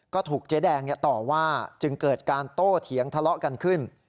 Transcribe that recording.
ก็ถูกเจ๊แดงต่อว่าจึงเกิดการโต้เถียงทะเลาะกันขึ้น